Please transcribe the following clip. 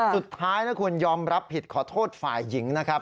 สุดท้ายนะคุณยอมรับผิดขอโทษฝ่ายหญิงนะครับ